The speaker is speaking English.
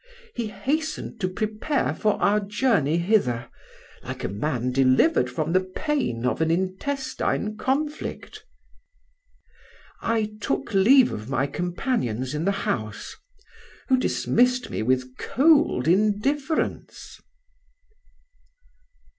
He hastened to prepare for our journey hither, like a man delivered from the pain of an intestine conflict. I took leave of my companions in the house, who dismissed me with cold indifference."